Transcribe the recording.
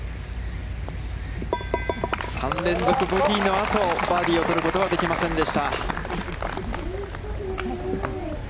３連続ボギーのあと、バーディーを取ることはできませんでした。